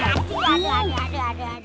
ya aduh aduh aduh aduh aduh aduh aduh